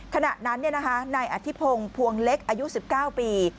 ขณะนั้นนายอธิพงศ์ภวงเล็กอายุ๑๙ปี